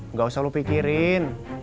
nggak usah lu pikirin